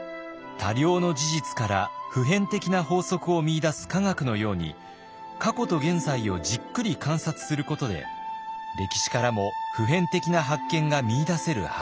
多量の事実から普遍的な法則を見いだす科学のように過去と現在をじっくり観察することで歴史からも普遍的な発見が見いだせるはずだ。